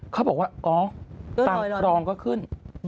เขาบอกว่าอ๋อตามรองก็ขึ้น